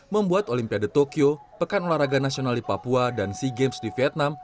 membuat olimpiade tokyo pekan olahraga nasional di papua dan sea games di vietnam